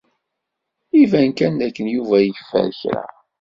Iban kan dakken Yuba yeffer kra.